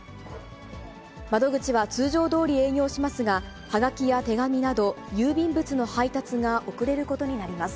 窓口は通常どおり営業しますが、はがきや手紙など、郵便物の配達が遅れることになります。